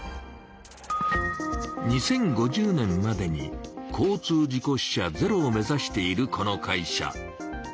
２０５０年までに交通事故死者ゼロを目ざしているこの会社。